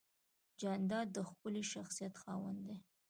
جانداد د ښکلي شخصیت خاوند دی.